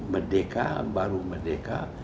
merdeka baru merdeka